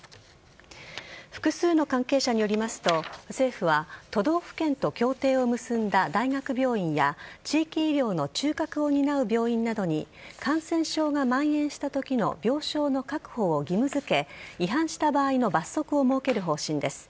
複数の関係者によりますと政府は都道府県と協定を結んだ大学病院や地域医療の中核を担う病院などに感染症がまん延したときの病床の確保を義務付け、違反した場合の罰則を設ける方針です。